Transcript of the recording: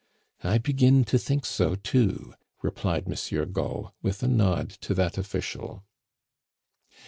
"I begin to think so too," replied Monsieur Gault, with a nod to that official.